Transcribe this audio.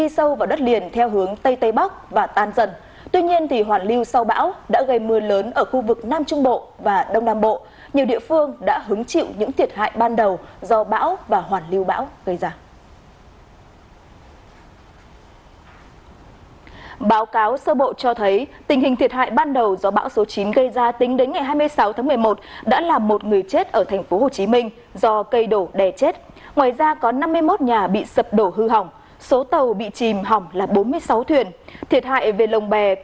xin chào và hẹn gặp lại các bạn trong những video tiếp theo